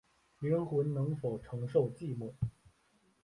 灵魂能否承受寂寞